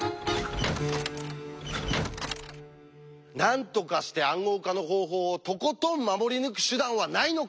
なんとかして暗号化の方法をとことん守り抜く手段はないのか！